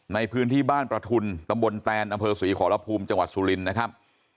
ในพื้นที่บ้านประทุนตำบลแตนอำเภอศรีขอรภูมิจังหวัดสุรินทร์นะครับ